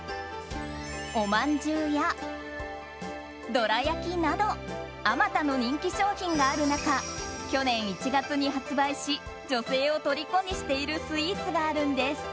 おまんじゅうや、どら焼きなどあまたの人気商品がある中去年１月に発売し女性を虜にしているスイーツがあるんです。